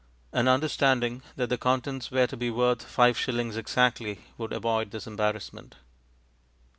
An understanding that the contents were to be worth five shillings exactly would avoid this embarassment.